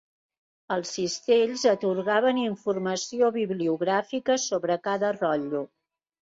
Els cistells atorgaven informació bibliogràfica sobre cada rotllo.